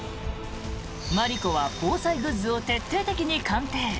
マリコは防災グッズを徹底的に鑑定。